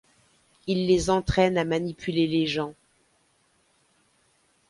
Ils les entraînent à manipuler les gens.